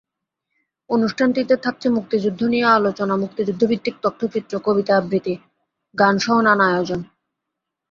অনুষ্ঠানটিতে থাকছে মুক্তিযুদ্ধ নিয়ে আলোচনা, মুক্তিযুদ্ধভিত্তিক তথ্যচিত্র, কবিতার আবৃত্তি, গানসহ নানা আয়োজন।